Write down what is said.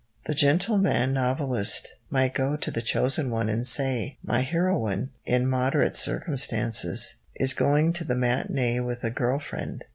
The gentleman novelist might go to the chosen one and say: "My heroine, in moderate circumstances, is going to the matinée with a girl friend.